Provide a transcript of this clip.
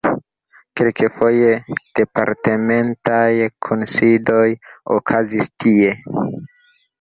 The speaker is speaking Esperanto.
Kelkfoje departementaj kunsidoj okazis tie.